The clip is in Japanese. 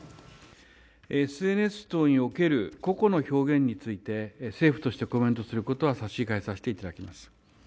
ＳＮＳ等における個々の表現について、政府としてコメントすることは差し控えさせていただきます。